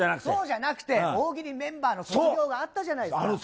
そうじゃなくて、大喜利メンバーの卒業があったじゃないですか。